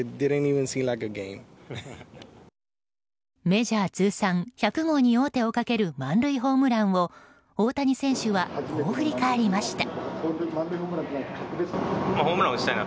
メジャー通算１００号に王手をかける満塁ホームランを大谷選手はこう振り返りました。